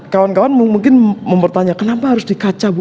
kawan kawan mungkin mau bertanya kenapa harus dikaca bu